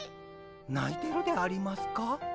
ないてるでありますか？